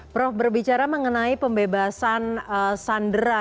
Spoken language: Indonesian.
prof berbicara mengenai pembebasan sandera